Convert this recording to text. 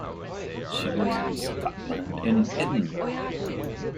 She lives in Scotland, in Edinburgh